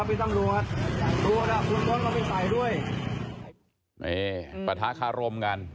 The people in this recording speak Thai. พี่สังรวชยังไม่อินทรีย์ยังไม่กินเลย